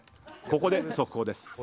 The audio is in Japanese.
ここで速報です。